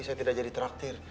saya tidak jadi traktir